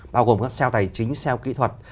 bao gồm các xeo tài chính xeo kỹ thuật